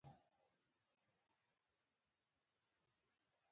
احمدشاه بابا د تاریخ په پاڼو کې تلپاتې نوم لري.